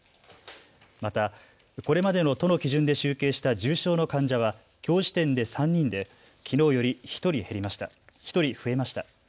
またこれまでの都の基準で集計した重症の患者はきょう時点で３人できのうより１人増えました。